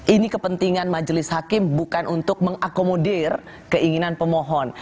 ini kepentingan majelis hakim bukan untuk mengakomodir keinginan pemohon